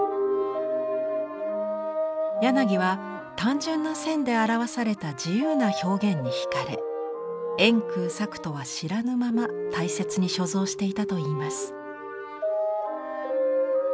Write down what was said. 柳は単純な線で表された自由な表現に引かれ円空作とは知らぬまま大切に所蔵していたといいます。